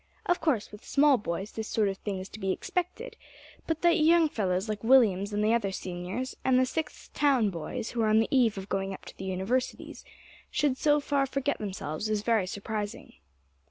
Of course with small boys this sort of thing is to be expected; but that young fellows like Williams and the other seniors, and the Sixth town boys, who are on the eve of going up to the Universities, should so far forget themselves is very surprising."